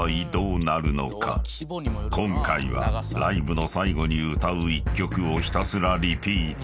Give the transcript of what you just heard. ［今回はライブの最後に歌う１曲をひたすらリピート］